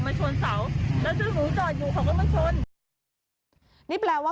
เดี๋ยวจะต้องสอบปากคำคู่กรณีทั้งหมดด้วยนะคะ